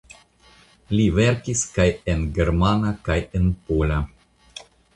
Li verkis kaj en germana kaj en pola.